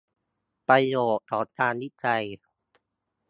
ประโยชน์ของการวิจัย